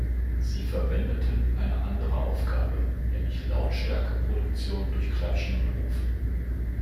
Sie verwendeten eine andere Aufgabe, nämlich Lautstärke-Produktion durch Klatschen und Rufen.